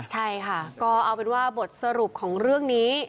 ใช่ค่ะก็เอาเป็นว่าบทสรุปของเรื่องนี้